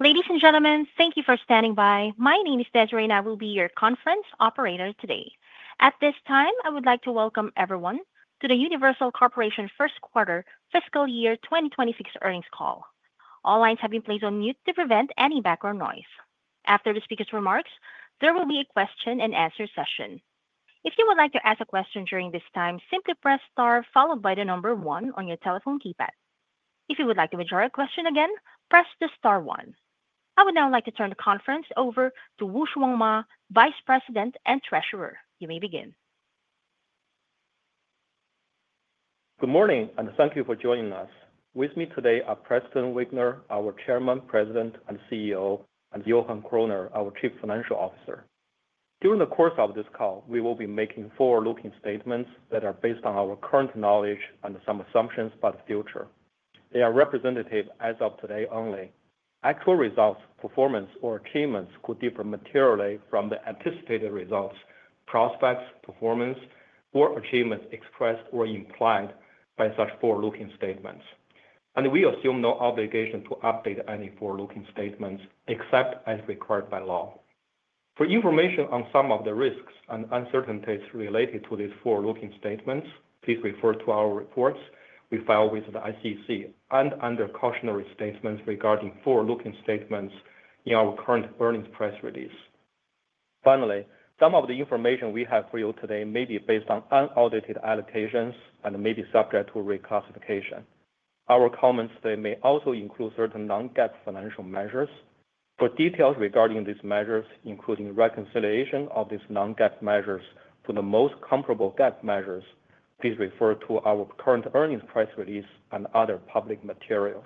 Ladies and gentlemen, thank you for standing by. My name is Desiree, and I will be your conference operator today. At this time, I would like to welcome everyone to the Universal Corporation First Quarter Fiscal year 2026 Earnings Call. All lines have been placed on mute to prevent any background noise. After the speaker's remarks, there will be a question and answer session. If you would like to ask a question during this time, simply press star followed by the number one on your telephone keypad. If you would like to withdraw a question, again, press the star one. I would now like to turn the conference over to Wushuang Ma, Vice President and Treasurer. You may begin. Good morning, and thank you for joining us. With me today are Preston Wigner, our Chairman, President and CEO, and Johan Kroner, our Chief Financial Officer. During the course of this call, we will be making forward-looking statements that are based on our current knowledge and some assumptions about the future. They are representative as of today only. Actual results, performance, or achievements could differ materially from the anticipated results, prospects, performance, or achievements expressed or implied by such forward-looking statements. We assume no obligation to update any forward-looking statements except as required by law. For information on some of the risks and uncertainties related to these forward-looking statements, please refer to our reports we file with the SEC and under cautionary statements regarding forward-looking statements in our current earnings press release. Finally, some of the information we have for you today may be based on unaudited allocations and may be subject to reclassification. Our comments today may also include certain non-GAAP financial measures. For details regarding these measures, including reconciliation of these non-GAAP measures to the most comparable GAAP measures, please refer to our current earnings press release and other public materials.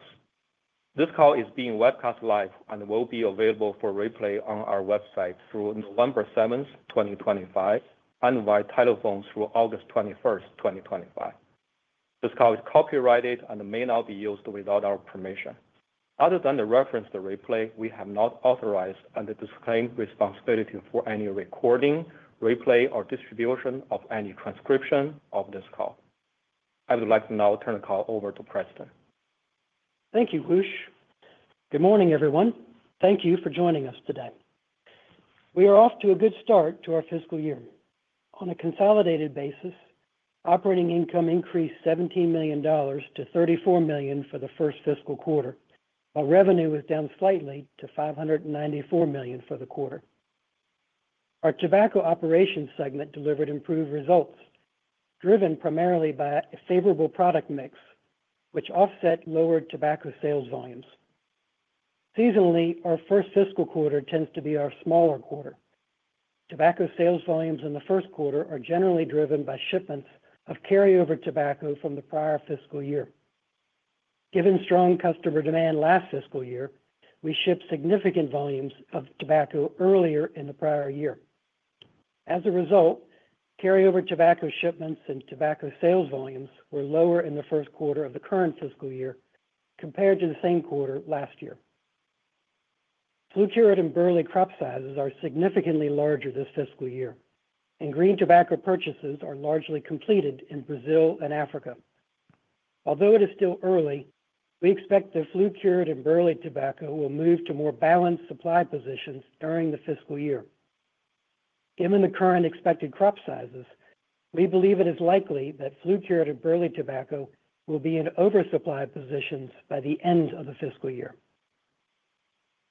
This call is being webcast live and will be available for replay on our website through November 7th, 2025, and via telephone through August 21st, 2025. This call is copyrighted and may not be used without our permission. Other than the reference to replay, we have not authorized and disclaim responsibility for any recording, replay, or distribution of any transcription of this call. I would like to now turn the call over to Preston. Thank you, Wush. Good morning, everyone. Thank you for joining us today. We are off to a good start to our fiscal year. On a consolidated basis, operating income increased $17 million to $34 million for the first fiscal quarter, while revenue is down slightly to $594 million for the quarter. Our tobacco operations segment delivered improved results, driven primarily by a favorable product mix, which offset lower tobacco sales volumes. Seasonally, our first fiscal quarter tends to be our smaller quarter. Tobacco sales volumes in the first quarter are generally driven by shipments of carryover tobacco from the prior fiscal year. Given strong customer demand last fiscal year, we shipped significant volumes of tobacco earlier in the prior year. As a result, carryover tobacco shipments and tobacco sales volumes were lower in the first quarter of the current fiscal year compared to the same quarter last year. Burley and barley crop sizes are significantly larger this fiscal year, and green tobacco purchases are largely completed in Brazil and Africa. Although it is still early, we expect the burley and barley tobacco will move to more balanced supply positions during the fiscal year. Given the current expected crop sizes, we believe it is likely that burley and barley tobacco will be in oversupply positions by the end of the fiscal year.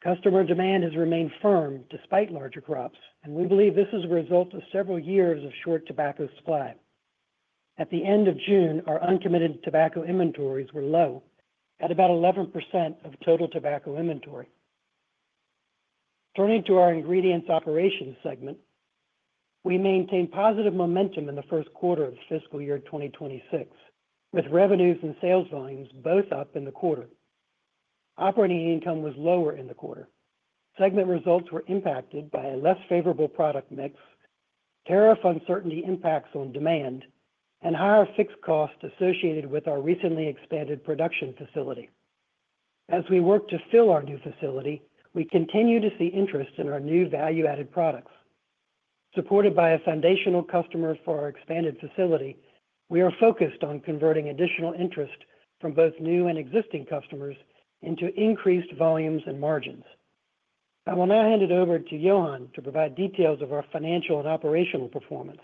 Customer demand has remained firm despite larger crops, and we believe this is a result of several years of short tobacco supply. At the end of June, our uncommitted tobacco inventories were low at about 11% of total tobacco inventory. Turning to our ingredients operations segment, we maintained positive momentum in the first quarter of the fiscal year 2026, with revenues and sales volumes both up in the quarter. Operating income was lower in the quarter. Segment results were impacted by a less favorable product mix, tariff uncertainty impacts on demand, and higher fixed costs associated with our recently expanded production facility. As we work to fill our new facility, we continue to see interest in our new value-added products. Supported by a foundational customer for our expanded facility, we are focused on converting additional interest from both new and existing customers into increased volumes and margins. I will now hand it over to Johan to provide details of our financial and operational performance,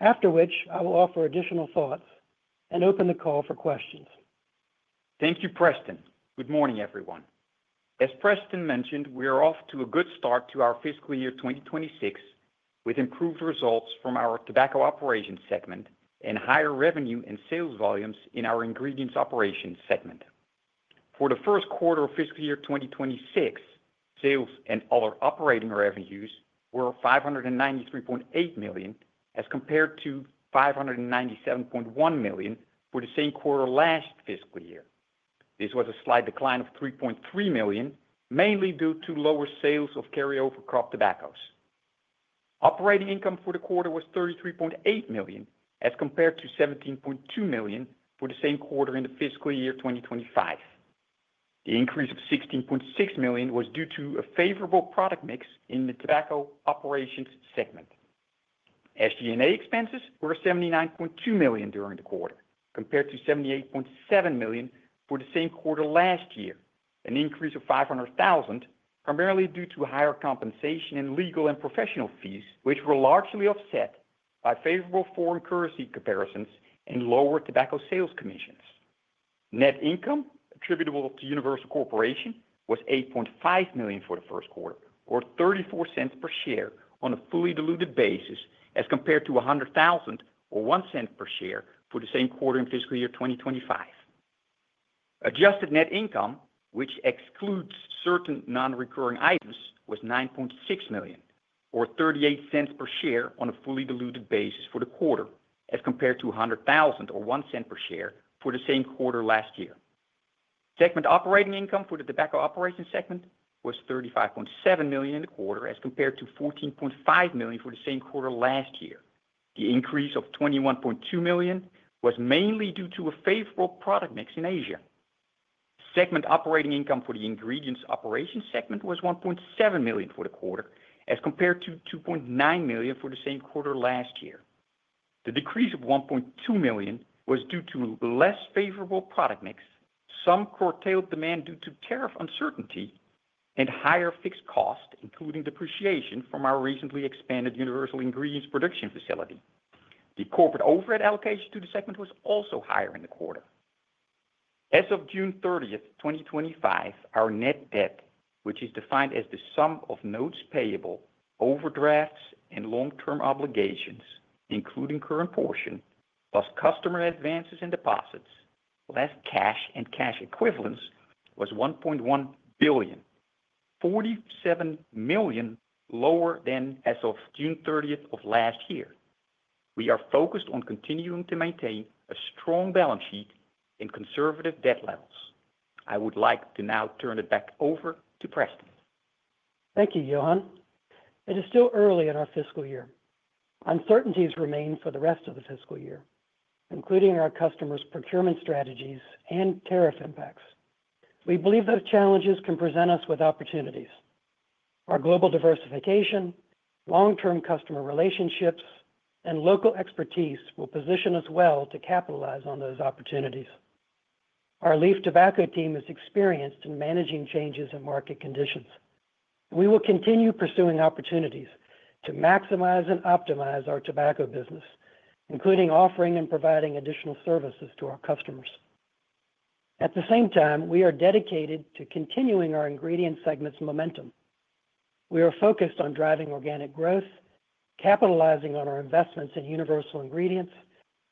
after which I will offer additional thoughts and open the call for questions. Thank you, Preston. Good morning, everyone. As Preston mentioned, we are off to a good start to our fiscal year 2026 with improved results from our tobacco operations segment and higher revenue and sales volumes in our ingredients operations segment. For the first quarter of fiscal year 2026, sales and other operating revenues were $593.8 million as compared to $597.1 million for the same quarter last fiscal year. This was a slight decline of $3.3 million, mainly due to lower sales of carryover crop tobaccos. Operating income for the quarter was $33.8 million as compared to $17.2 million for the same quarter in fiscal year 2025. The increase of $16.6 million was due to a favorable product mix in the tobacco operations segment. SG&A expenses were $79.2 million during the quarter, compared to $78.7 million for the same quarter last year, an increase of $500,000 primarily due to higher compensation and legal and professional fees, which were largely offset by favorable foreign currency comparisons and lower tobacco sales commissions. Net income attributable to Universal Corporation was $8.5 million for the first quarter, or $0.34 per share on a fully diluted basis as compared to $100,000 or $0.01 per share for the same quarter in fiscal year 2025. Adjusted net income, which excludes certain non-recurring items, was $9.6 million, or $0.38 per share on a fully diluted basis for the quarter as compared to $100,000 or $0.01 per share for the same quarter last year. Segment operating income for the tobacco operations segment was $35.7 million in the quarter as compared to $14.5 million for the same quarter last year. The increase of $21.2 million was mainly due to a favorable product mix in Asia. Segment operating income for the ingredients operations segment was $1.7 million for the quarter as compared to $2.9 million for the same quarter last year. The decrease of $1.2 million was due to a less favorable product mix, some curtailed demand due to tariff uncertainty, and higher fixed costs, including depreciation from our recently expanded Universal Ingredients production facility. The corporate overhead allocation to the segment was also higher in the quarter. As of June 30th, 2025, our net debt, which is defined as the sum of notes payable, overdrafts, and long-term obligations, including current portion, plus customer advances and deposits, less cash and cash equivalents, was $1.1 billion, $47 million lower than as of June 30th of last year. We are focused on continuing to maintain a strong balance sheet and conservative debt levels. I would like to now turn it back over to Preston. Thank you, Johan. It is still early in our fiscal year. Uncertainties remain for the rest of the fiscal year, including our customers' procurement strategies and tariff impacts. We believe those challenges can present us with opportunities. Our global diversification, long-term customer relationships, and local expertise will position us well to capitalize on those opportunities. Our leaf tobacco team is experienced in managing changes in market conditions. We will continue pursuing opportunities to maximize and optimize our tobacco business, including offering and providing additional services to our customers. At the same time, we are dedicated to continuing our ingredients segment's momentum. We are focused on driving organic growth, capitalizing on our investments in Universal Ingredients,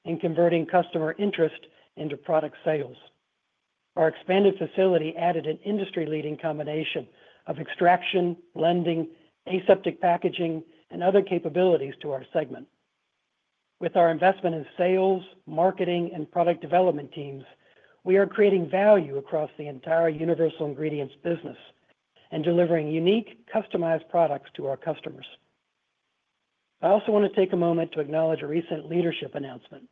and converting customer interest into product sales. Our expanded facility added an industry-leading combination of extraction, blending, aseptic packaging, and other capabilities to our segment. With our investment in sales, marketing, and product development teams, we are creating value across the entire Universal Ingredients business and delivering unique, customized products to our customers. I also want to take a moment to acknowledge a recent leadership announcement.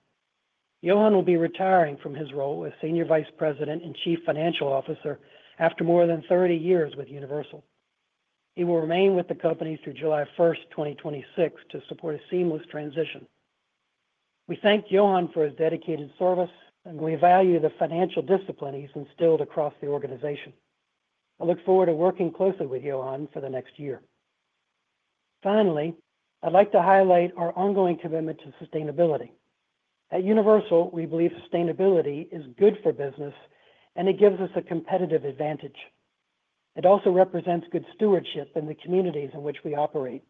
Johan will be retiring from his role as Senior Vice President and Chief Financial Officer after more than 30 years with Universal. He will remain with the company through July 1st, 2026, to support a seamless transition. We thank Johan for his dedicated service, and we value the financial discipline he's instilled across the organization. I look forward to working closely with Johan for the next year. Finally, I'd like to highlight our ongoing commitment to sustainability. At Universal, we believe sustainability is good for business, and it gives us a competitive advantage. It also represents good stewardship in the communities in which we operate.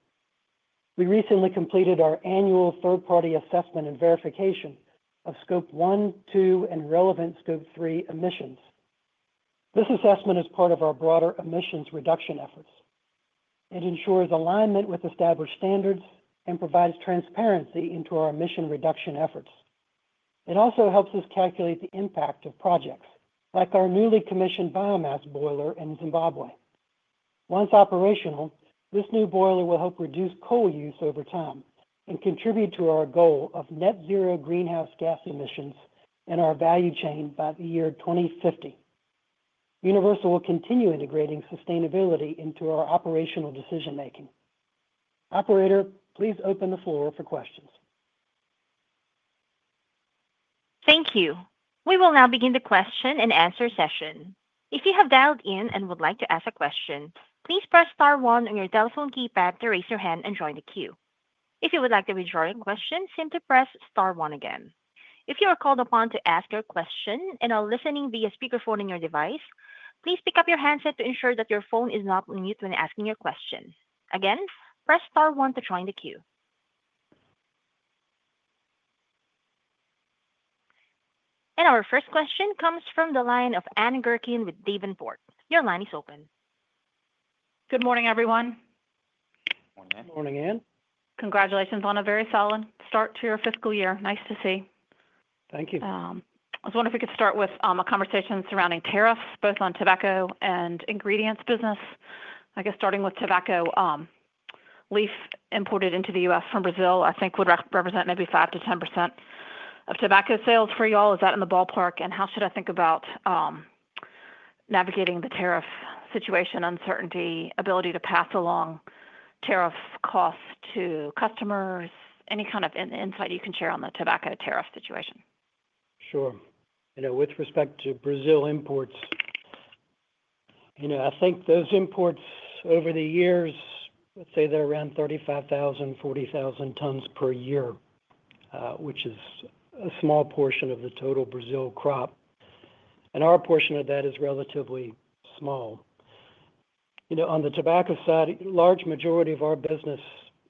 We recently completed our annual third-party assessment and verification of Scope 1, 2, and relevant Scope 3 emissions. This assessment is part of our broader emissions reduction efforts. It ensures alignment with established standards and provides transparency into our emission reduction efforts. It also helps us calculate the impact of projects like our newly commissioned biomass boiler in Zimbabwe. Once operational, this new boiler will help reduce coal use over time and contribute to our goal of net zero greenhouse gas emissions in our value chain by the year 2050. Universal will continue integrating sustainability into our operational decision-making. Operator, please open the floor for questions. Thank you. We will now begin the question and answer session. If you have dialed in and would like to ask a question, please press star one on your telephone keypad to raise your hand and join the queue. If you would like to withdraw your question, simply press star one again. If you are called upon to ask your question and are listening via speaker phone on your device, please pick up your handset to ensure that your phone is not on mute when asking your question. Again, press star one to join the queue. Our first question comes from the line of Ann Gurkin with Davenport. Your line is open. Good morning, everyone. Morning. Morning, Ann. Congratulations on a very solid start to your fiscal year. Nice to see. Thank you. I was wondering if we could start with a conversation surrounding tariffs, both on tobacco and ingredients business. I guess starting with tobacco, leaf imported into the U.S. from Brazil, I think would represent maybe 5%-10% of tobacco sales for you all. Is that in the ballpark? How should I think about navigating the tariff situation, uncertainty, ability to pass along tariff costs to customers? Any kind of insight you can share on the tobacco tariff situation? Sure. With respect to Brazil imports, I think those imports over the years, let's say they're around 35,000-40,000 tons per year, which is a small portion of the total Brazil crop. Our portion of that is relatively small. On the tobacco side, a large majority of our business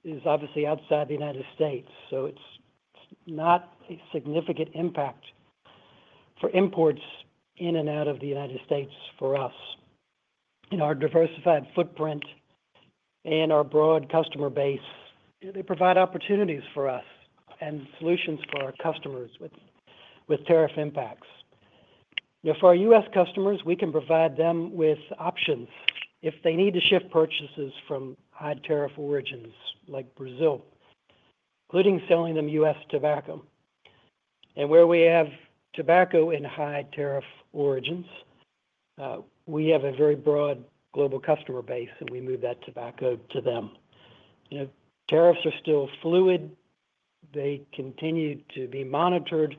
is obviously outside the U.S. It is not a significant impact for imports in and out of the U.S. for us. In our diversified footprint and our broad customer base, they provide opportunities for us and solutions for our customers with tariff impacts. For our U.S. customers, we can provide them with options if they need to shift purchases from high tariff origins like Brazil, including selling them U.S. tobacco. Where we have tobacco in high tariff origins, we have a very broad global customer base, and we move that tobacco to them. Tariffs are still fluid. They continue to be monitored,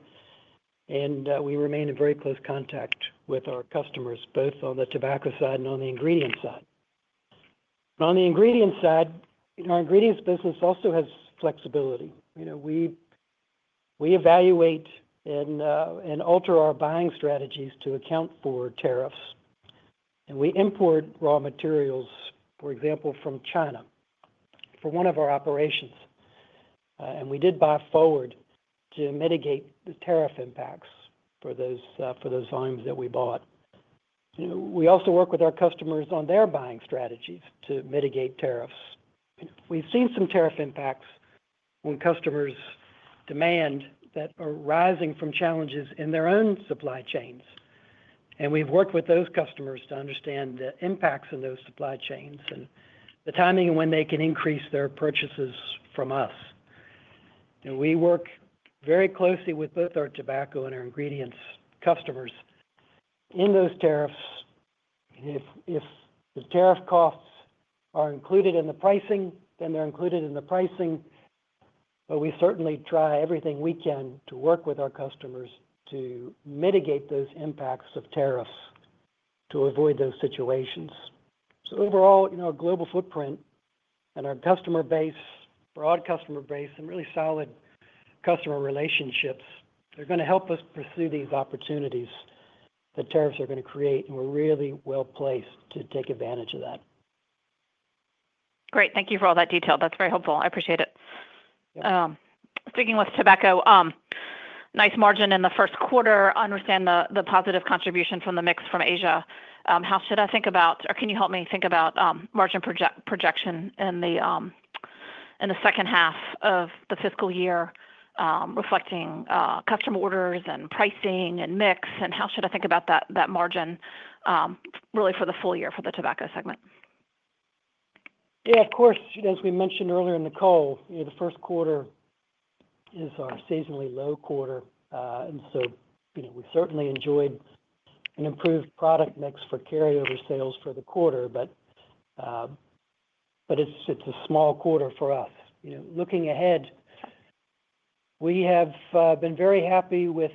and we remain in very close contact with our customers, both on the tobacco side and on the ingredients side. On the ingredients side, our ingredients business also has flexibility. We evaluate and alter our buying strategies to account for tariffs. We import raw materials, for example, from China for one of our operations. We did buy forward to mitigate the tariff impacts for those volumes that we bought. We also work with our customers on their buying strategies to mitigate tariffs. We've seen some tariff impacts when customers' demand is rising from challenges in their own supply chains. We've worked with those customers to understand the impacts in those supply chains and the timing of when they can increase their purchases from us. We work very closely with both our tobacco and our ingredients customers in those tariffs. If the tariff costs are included in the pricing, then they're included in the pricing. We certainly try everything we can to work with our customers to mitigate those impacts of tariffs to avoid those situations. Overall, a global footprint and our customer base, broad customer base, and really solid customer relationships, they're going to help us pursue these opportunities that tariffs are going to create. We're really well placed to take advantage of that. Great. Thank you for all that detail. That's very helpful. I appreciate it. Speaking with tobacco, nice margin in the first quarter. I understand the positive contribution from the mix from Asia. How should I think about, or can you help me think about margin projection in the second half of the fiscal year, reflecting customer orders and pricing and mix? How should I think about that margin really for the full year for the tobacco segment? Yeah, of course. As we mentioned earlier in the call, the first quarter is our seasonally low quarter. We certainly enjoyed an improved product mix for carryover sales for the quarter, but it's a small quarter for us. Looking ahead, we have been very happy with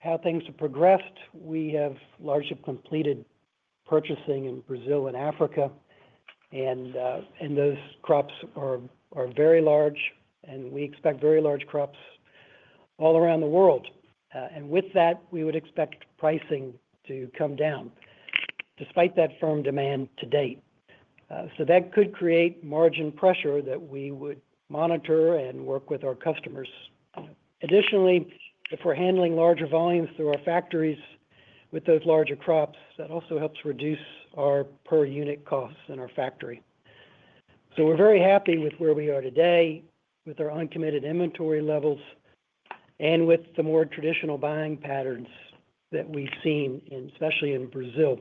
how things have progressed. We have largely completed purchasing in Brazil and Africa, and those crops are very large, and we expect very large crops all around the world. With that, we would expect pricing to come down despite that firm demand to date. That could create margin pressure that we would monitor and work with our customers. Additionally, if we're handling larger volumes through our factories with those larger crops, that also helps reduce our per unit costs in our factory. We're very happy with where we are today with our uncommitted inventory levels and with the more traditional buying patterns that we've seen, especially in Brazil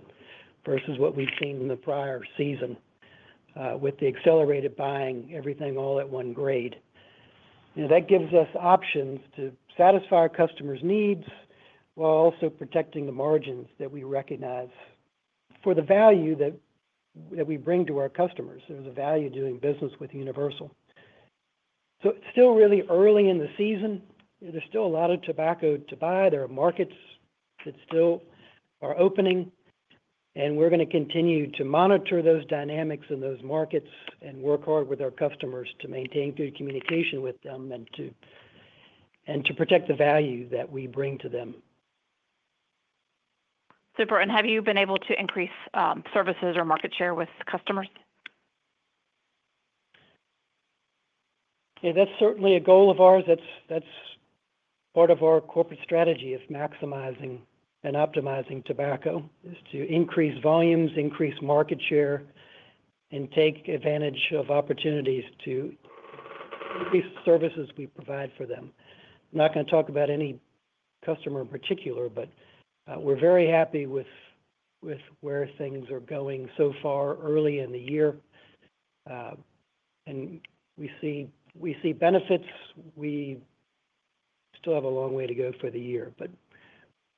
versus what we've seen in the prior season with the accelerated buying everything all at one grade. That gives us options to satisfy our customers' needs while also protecting the margins that we recognize for the value that we bring to our customers. There's a value to doing business with Universal. It's still really early in the season. There's still a lot of tobacco to buy. There are markets that still are opening, and we're going to continue to monitor those dynamics in those markets and work hard with our customers to maintain good communication with them and to protect the value that we bring to them. Super. Have you been able to increase services or market share with customers? Yeah, that's certainly a goal of ours. That's part of our corporate strategy of maximizing and optimizing tobacco is to increase volumes, increase market share, and take advantage of opportunities to increase services we provide for them. I'm not going to talk about any customer in particular, but we're very happy with where things are going so far early in the year. We see benefits. We still have a long way to go for the year,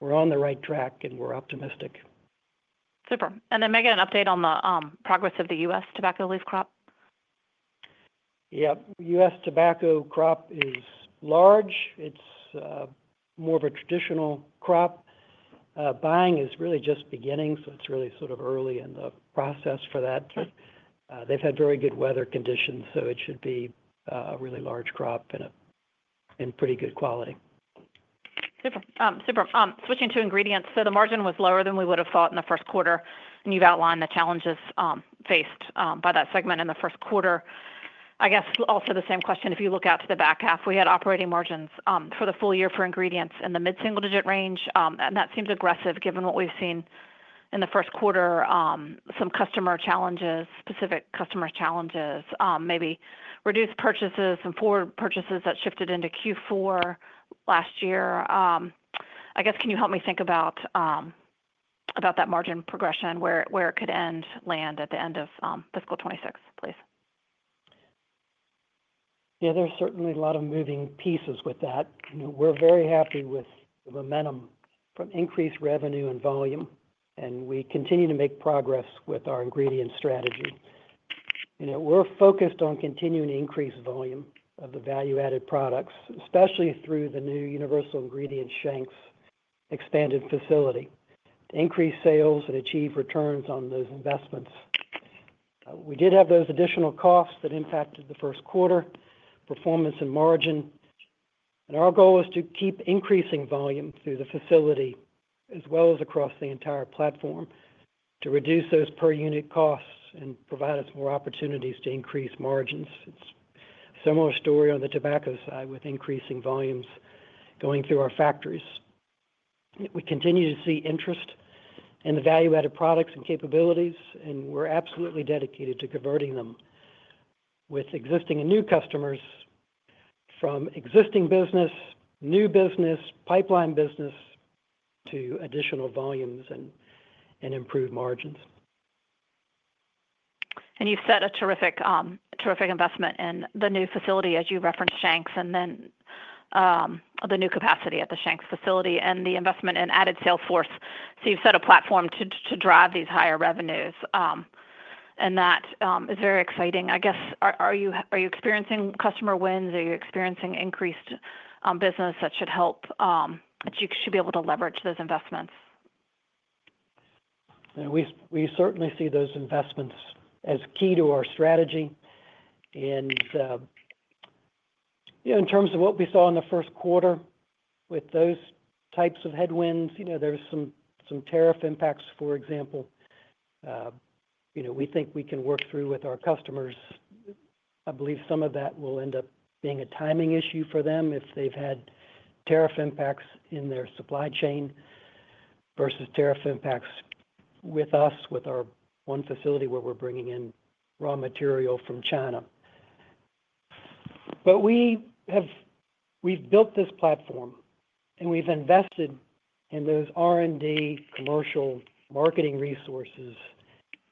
but we're on the right track and we're optimistic. Super. May I get an update on the progress of the U.S. tobacco leaf crop? Yeah, U.S. tobacco crop is large. It's more of a traditional crop. Buying is really just beginning, so it's really sort of early in the process for that. They've had very good weather conditions, so it should be a really large crop and in pretty good quality. Super. Switching to ingredients, the margin was lower than we would have thought in the first quarter, and you've outlined the challenges faced by that segment in the first quarter. I guess also the same question. If you look out to the back half, we had operating margins for the full year for ingredients in the mid-single-digit range, and that seems aggressive given what we've seen in the first quarter. Some customer challenges, specific customer challenges, maybe reduced purchases and forward purchases that shifted into Q4 last year. I guess, can you help me think about that margin progression and where it could end land at the end of fiscal 2026, please? Yeah, there's certainly a lot of moving pieces with that. We're very happy with the momentum from increased revenue and volume, and we continue to make progress with our ingredient strategy. We're focused on continuing to increase volume of the value-added products, especially through the new Universal Ingredients-Shank's expanded facility, increase sales, and achieve returns on those investments. We did have those additional costs that impacted the first quarter performance and margin, and our goal is to keep increasing volume through the facility as well as across the entire platform to reduce those per unit costs and provide us more opportunities to increase margins. It's a similar story on the tobacco side with increasing volumes going through our factories. We continue to see interest in the value-added products and capabilities, and we're absolutely dedicated to converting them with existing and new customers from existing business, new business, pipeline business, to additional volumes and improved margins. You've set a terrific investment in the new facility, as you referenced, Shank's, and the new capacity at the Shank's facility and the investment in added sales force. You've set a platform to drive these higher revenues, and that is very exciting. I guess, are you experiencing customer wins? Are you experiencing increased business that should help, that you should be able to leverage those investments? We certainly see those investments as key to our strategy. In terms of what we saw in the first quarter with those types of headwinds, there were some tariff impacts, for example. We think we can work through with our customers. I believe some of that will end up being a timing issue for them if they've had tariff impacts in their supply chain versus tariff impacts with us, with our one facility where we're bringing in raw material from China. We've built this platform, and we've invested in those R&D, commercial marketing resources,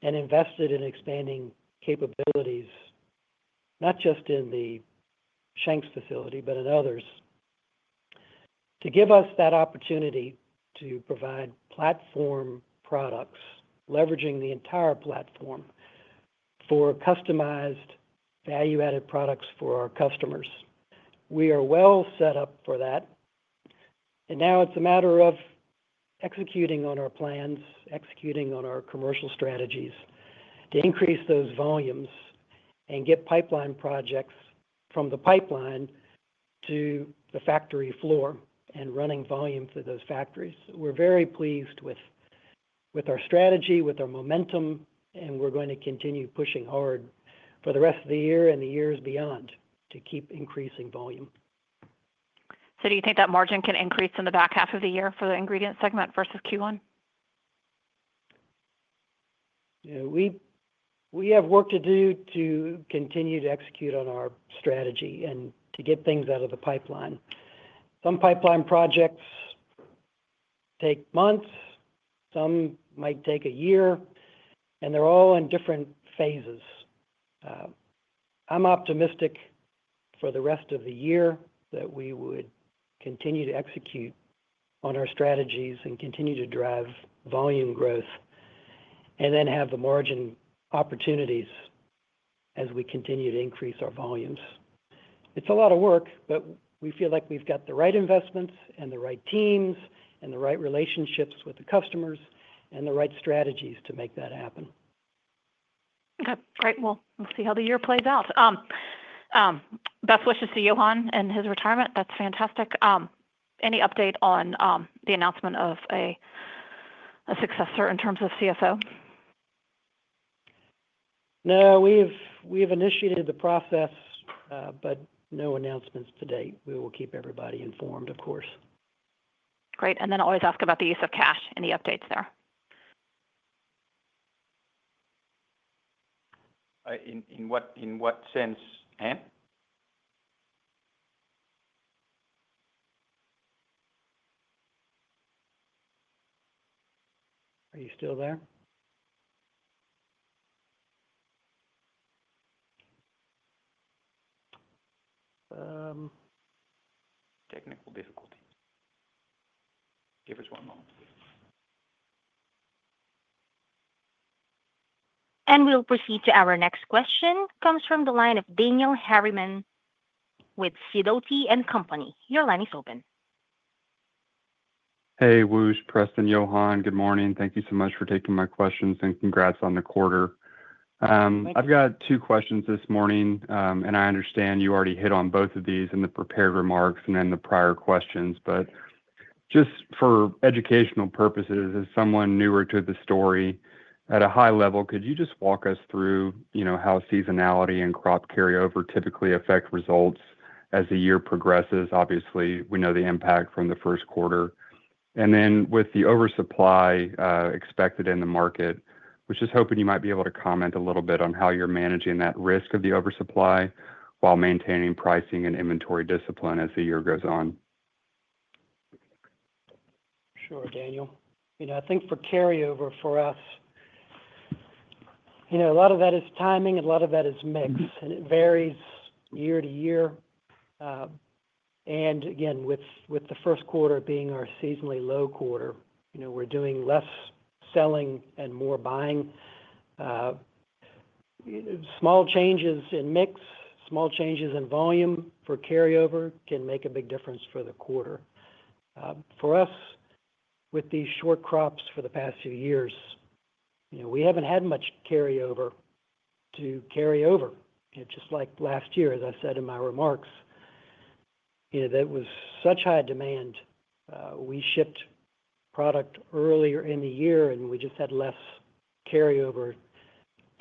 and invested in expanding capabilities, not just in the Shank's facility, but in others, to give us that opportunity to provide platform products, leveraging the entire platform for customized value-added products for our customers. We are well set up for that. It is now a matter of executing on our plans, executing on our commercial strategies to increase those volumes and get pipeline projects from the pipeline to the factory floor and running volume through those factories. We're very pleased with our strategy, with our momentum, and we're going to continue pushing hard for the rest of the year and the years beyond to keep increasing volume. Do you think that margin can increase in the back half of the year for the ingredients segment versus Q1? We have work to do to continue to execute on our strategy and to get things out of the pipeline. Some pipeline projects take months, some might take a year, and they're all in different phases. I'm optimistic for the rest of the year that we would continue to execute on our strategies and continue to drive volume growth and then have the margin opportunities as we continue to increase our volumes. It's a lot of work, but we feel like we've got the right investments, the right teams, the right relationships with the customers, and the right strategies to make that happen. Okay. Great. We'll see how the year plays out. Best wishes to Johan and his retirement. That's fantastic. Any update on the announcement of a successor in terms of CFO? No, we've initiated the process, but no announcements to date. We will keep everybody informed, of course. Great. I always ask about the use of cash and the updates there. In what sense, Ann? Are you still there? Technical difficulty. Give us one moment. We will proceed to our next question. It comes from the line of Daniel Harriman with Sidoti & Company. Your line is open. Hey, Wush, Preston, Johan. Good morning. Thank you so much for taking my questions and congrats on the quarter. I've got two questions this morning, and I understand you already hit on both of these in the prepared remarks and in the prior questions. Just for educational purposes, as someone newer to the story, at a high level, could you just walk us through how seasonality and crop carryover typically affect results as the year progresses? Obviously, we know the impact from the first quarter. With the oversupply expected in the market, I was just hoping you might be able to comment a little bit on how you're managing that risk of the oversupply while maintaining pricing and inventory discipline as the year goes on. Sure, Daniel. I think for carryover for us, a lot of that is timing and a lot of that is mix, and it varies year to year. Again, with the first quarter being our seasonally low quarter, we're doing less selling and more buying. Small changes in mix, small changes in volume for carryover can make a big difference for the quarter. For us, with these short crops for the past few years, we haven't had much carryover to carry over. Just like last year, as I said in my remarks, that was such high demand. We shipped product earlier in the year, and we just had less carryover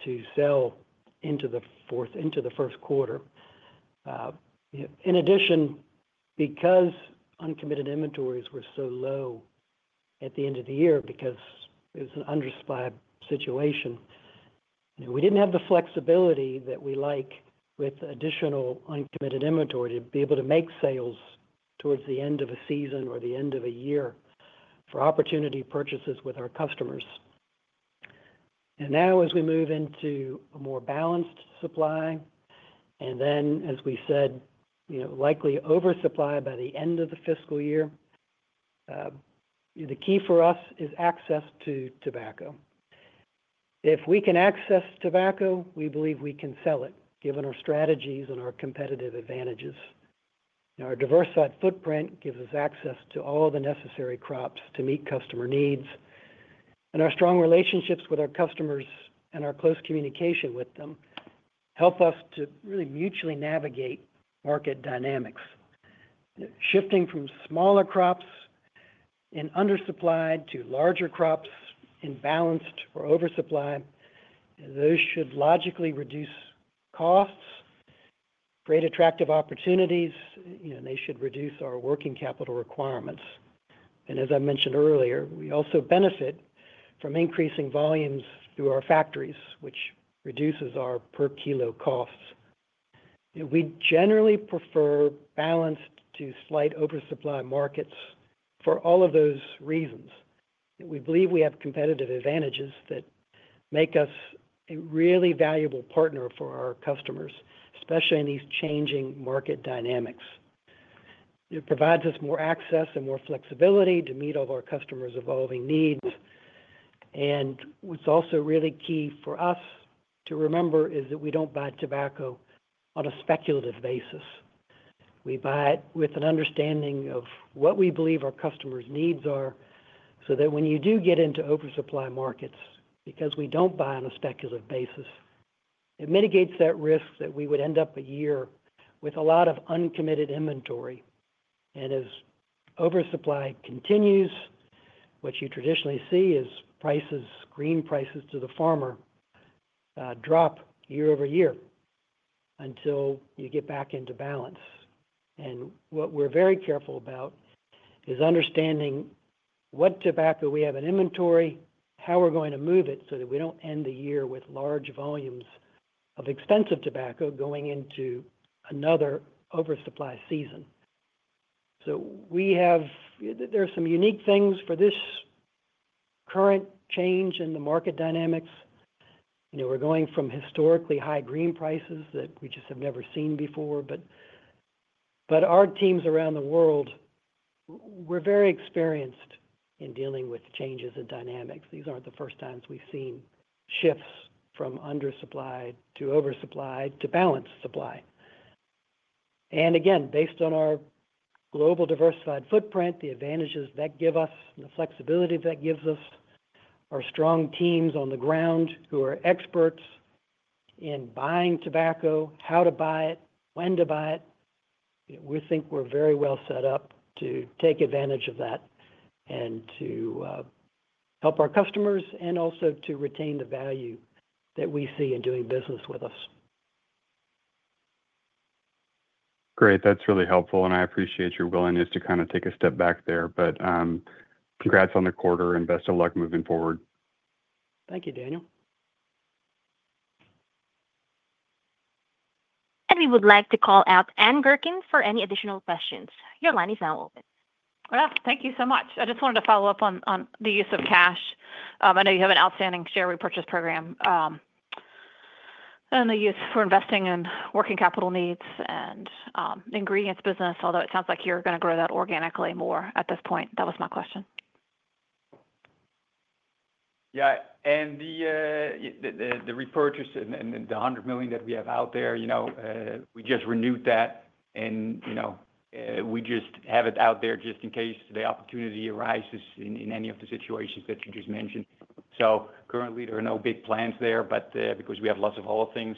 to sell into the fourth, into the first quarter. In addition, because uncommitted inventories were so low at the end of the year, because it was an undersupplied situation, we didn't have the flexibility that we like with additional uncommitted inventory to be able to make sales towards the end of a season or the end of a year for opportunity purchases with our customers. Now, as we move into a more balanced supply, and then, as we said, likely oversupply by the end of the fiscal year, the key for us is access to tobacco. If we can access tobacco, we believe we can sell it, given our strategies and our competitive advantages. Our diversified footprint gives us access to all the necessary crops to meet customer needs, and our strong relationships with our customers and our close communication with them help us to really mutually navigate market dynamics. Shifting from smaller crops in undersupplied to larger crops in balanced or oversupply, those should logically reduce costs, create attractive opportunities, and they should reduce our working capital requirements. As I mentioned earlier, we also benefit from increasing volumes through our factories, which reduces our per kilo costs. We generally prefer balanced to slight oversupply markets for all of those reasons. We believe we have competitive advantages that make us a really valuable partner for our customers, especially in these changing market dynamics. It provides us more access and more flexibility to meet all of our customers' evolving needs. What's also really key for us to remember is that we don't buy tobacco on a speculative basis. We buy it with an understanding of what we believe our customers' needs are, so that when you do get into oversupply markets, because we don't buy on a speculative basis, it mitigates that risk that we would end up a year with a lot of uncommitted inventory. As oversupply continues, what you traditionally see is prices, green prices to the farmer, drop year over year until you get back into balance. What we're very careful about is understanding what tobacco we have in inventory, how we're going to move it so that we don't end the year with large volumes of expensive tobacco going into another oversupply season. There are some unique things for this current change in the market dynamics. We're going from historically high green prices that we just have never seen before, but our teams around the world, we're very experienced in dealing with changes and dynamics. These aren't the first times we've seen shifts from undersupplied to oversupplied to balanced supply. Again, based on our global diversified footprint, the advantages that give us and the flexibility that gives us are strong teams on the ground who are experts in buying tobacco, how to buy it, when to buy it. We think we're very well set up to take advantage of that and to help our customers and also to retain the value that we see in doing business with us. Great, that's really helpful. I appreciate your willingness to kind of take a step back there. Congrats on the quarter and best of luck moving forward. Thank you, Daniel. Anyone would like to call out Ann Gerkin for any additional questions? Your line is now open. Thank you so much. I just wanted to follow up on the use of cash. I know you have an outstanding share repurchase program and the use for investing in working capital needs and ingredients business, although it sounds like you're going to grow that organically more at this point. That was my question. Yeah, the repurchase and the $100 million that we have out there, we just renewed that. We just have it out there just in case the opportunity arises in any of the situations that you just mentioned. Currently, there are no big plans there because we have lots of other things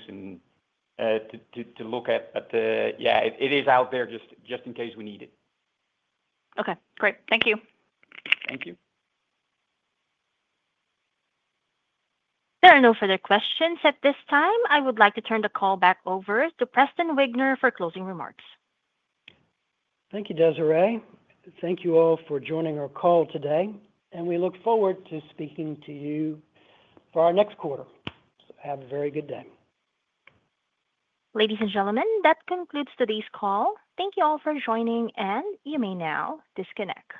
to look at, but yeah, it is out there just in case we need it. Okay. Great. Thank you. Thank you. There are no further questions at this time. I would like to turn the call back over to Preston Wigner for closing remarks. Thank you, Desiree. Thank you all for joining our call today. We look forward to speaking to you for our next quarter. Have a very good day. Ladies and gentlemen, that concludes today's call. Thank you all for joining, and you may now disconnect.